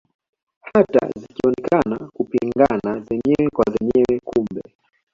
Hata zikionekana kupingana zenyewe kwa zenyewe kumbe